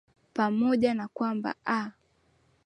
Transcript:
pamoja na kwamba aa